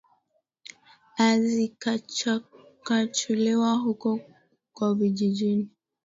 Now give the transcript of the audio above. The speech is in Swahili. a zikachakachuliwa huko huko vijijini